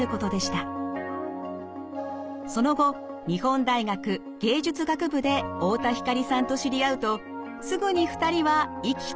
その後日本大学芸術学部で太田光さんと知り合うとすぐに２人は意気投合。